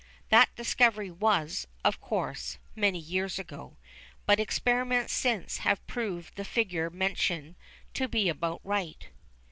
That discovery was, of course, many years ago, but experiments since have proved the figure mentioned to be about right.